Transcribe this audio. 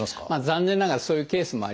残念ながらそういうケースもあります。